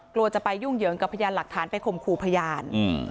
กลัวจะไปยุ่งเหยิงกับพยานหลักฐานไปข่มขู่พยาน